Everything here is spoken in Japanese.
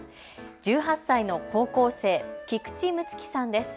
１８歳の高校生、菊池睦月さんです。